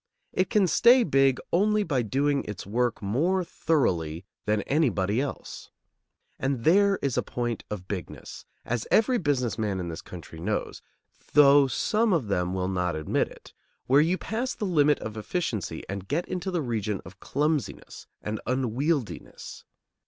It can stay big only by doing its work more thoroughly than anybody else. And there is a point of bigness, as every business man in this country knows, though some of them will not admit it, where you pass the limit of efficiency and get into the region of clumsiness and unwieldiness.